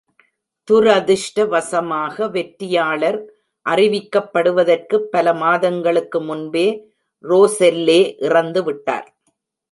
துரதிர்ஷ்டவசமாக, வெற்றியாளர் அறிவிக்கப்படுவதற்குப் பல மாதங்களுக்கு முன்பே ரோசெல்லே இறந்து விட்டார்.